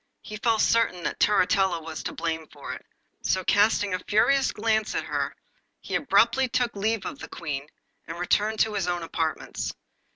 He felt certain that Turritella was to blame for it, so casting a furious glance at her he abruptly took leave of the Queen, and returned to his own apartments.